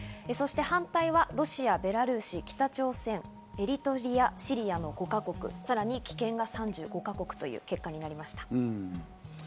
そして反対はロシア、ベラルーシ、北朝鮮、エリトリア、シリアの５か国、さらに棄権が３５か国という結果になりました。